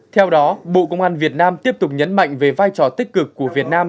theo đó bộ công an việt nam tiếp tục nhấn mạnh về vai trò tích cực của việt nam